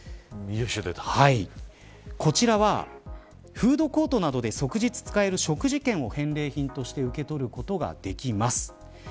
こちらはフードコートなどで即日使える食事券を返礼品として受け取ることができます。